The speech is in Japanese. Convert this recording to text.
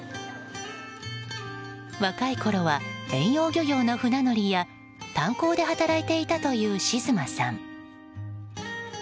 若いころは、遠洋漁業の船乗りや炭鉱で働いていたというしずまさん。